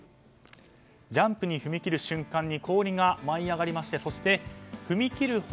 ジャンプに踏み切る瞬間に氷が舞い上がりまして踏み切る